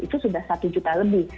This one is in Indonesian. itu sudah satu juta lebih